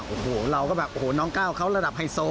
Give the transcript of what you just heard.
โอ้โหเราก็แบบโอ้โหน้องก้าวเขาระดับไฮโซ